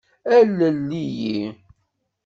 Alel-iyi.